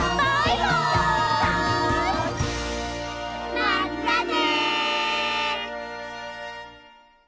まったね！